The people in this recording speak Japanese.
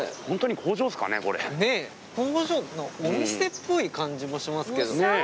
ねっ工場お店っぽい感じもしますけど。